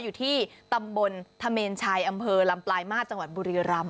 อยู่ที่ตำบลธเมนชัยอำเภอลำปลายมาตรจังหวัดบุรีรำ